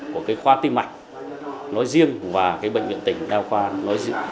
của cái khoa tiêm mạnh nói riêng và cái bệnh viện tỉnh đeo khoa nói riêng